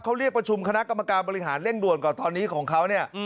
เขาเรียกประชุมคณะกรรมการบริหารเร่งด่วนก่อนตอนนี้ของเขาเนี่ย